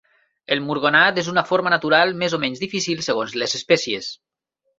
El murgonat és una forma natural més o menys difícil segons les espècies.